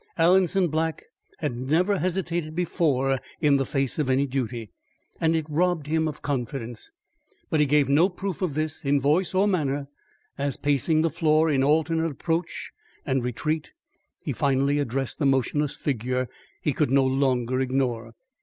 Alanson Black had never hesitated before in the face of any duty, and it robbed him of confidence. But he gave no proof of this in voice or manner, as pacing the floor in alternate approach and retreat, he finally addressed the motionless figure he could no longer ignore.